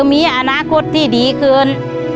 มีอนาคตที่ดีเกิน